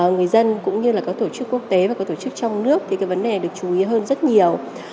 người dân cũng như là các tổ chức quốc tế và các tổ chức trong nước thì cái vấn đề được chú ý hơn rất nhiều